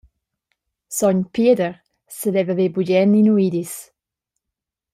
Sogn Pieder saveva ver bugen ni nuidis.